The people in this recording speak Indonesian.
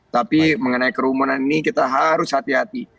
tapi mengenai kerumunan ini kita harus hati hati